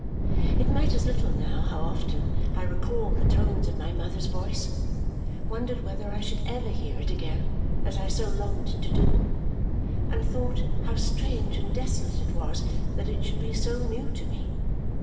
It matters little now how often I recalled the tones of my mother's voice, wondered whether I should ever hear it again as I so longed to do, and thought how strange and desolate it was that it should be so new to me.